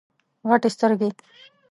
غټي سترګي